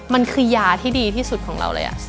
มันคือยาที่ดีที่สุดของเราเลย